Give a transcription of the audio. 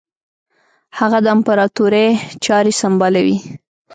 هغه د امپراطوري چاري سمبالوي.